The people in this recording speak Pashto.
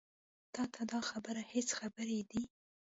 تا ته دا خبرې هسې خبرې دي.